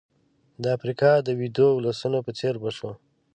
نو د افریقا د ویدو ولسونو په څېر به شو.